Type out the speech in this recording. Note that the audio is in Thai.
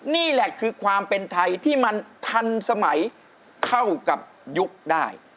นี่แหละคือความเป็นไทยที่มันทันสมัยเข้ากับยุคได้